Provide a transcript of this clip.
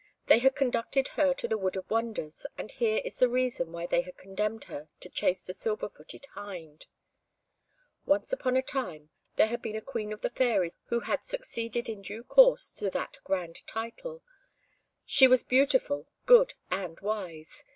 They had conducted her to the Wood of Wonders, and here is the reason why they had condemned her to chase the Silver footed Hind: Once upon a time there had been a Queen of the Fairies who had succeeded in due course to that grand title; she was beautiful, good, and wise.